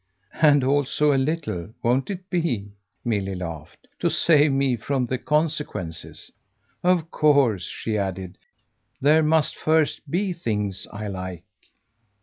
"And also a little, won't it be," Milly laughed, "to save me from the consequences? Of course," she added, "there must first BE things I like."